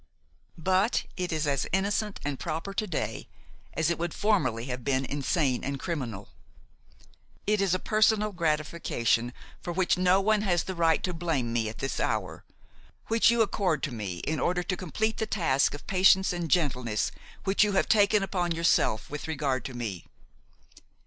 But it is as innocent and proper to day as it would formerly have been insane and criminal. It is a personal gratification for which no one has the right to blame me at this hour, which you accord to me in order to complete the task of patience and gentleness which you have taken upon yourself with regard to me.